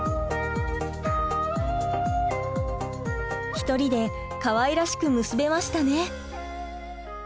一人でかわいらしく結べましたね！